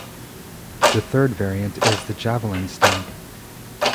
The third variant is the Javelin Stamp.